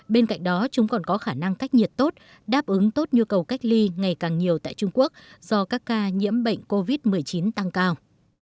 bên cạnh đó chúng còn có khả năng cách nhiệt tốt đáp ứng tốt nhu cầu cách ly ngày càng nhiều tại trung quốc do các ca nhiễm bệnh covid một mươi chín tăng cao